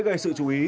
dễ gây sự chú ý